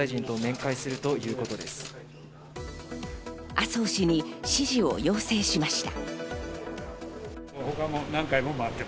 麻生氏に支持を要請しました。